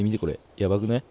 やばくない？